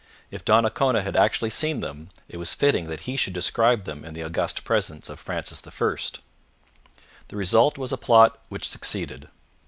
If Donnacona had actually seen them, it was fitting that he should describe them in the august presence of Francis I. The result was a plot which succeeded.